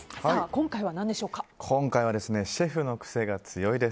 今回は何でしょうか。